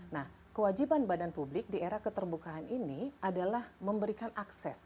nah kewajiban badan publik di era keterbukaan ini adalah memberikan akses